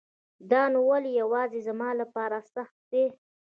دا نو ولی يواځي زما لپاره سخت دی